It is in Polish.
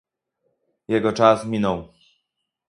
Jego czas minął